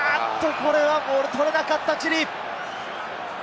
これはボールを取れなかった、チリ！